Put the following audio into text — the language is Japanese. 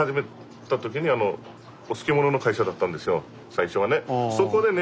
最初はね。